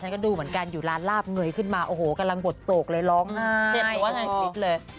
ก็ดูเหมือนกันอยู่ร้านลาบเงยขึ้นมาโอ้โหกำลังบดโศกเลยร้องไห้เลย